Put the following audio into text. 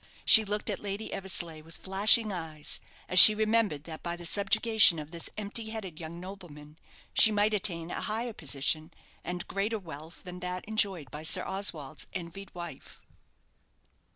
She looked at Lady Eversleigh with flashing eyes, as she remembered that by the subjugation of this empty headed young nobleman she might attain a higher position and greater wealth than that enjoyed by Sir Oswald's envied wife.